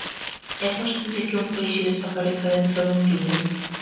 É posible que un peixe desapareza dentro dun libro?